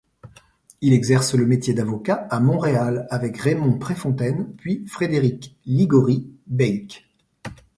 Il exerce le métier d'avocat à Montréal avec Raymond Préfontaine puis Frédéric-Liguori Béique.